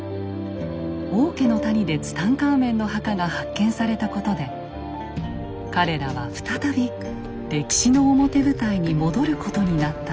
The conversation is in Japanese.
王家の谷でツタンカーメンの墓が発見されたことで彼らは再び歴史の表舞台に戻ることになったのです。